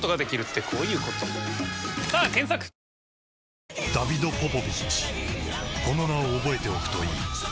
ニトリこの名を覚えておくといい